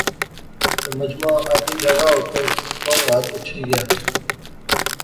تہ مجمع اپنی جاغا اپرا بہوں حد اٹھِی گیا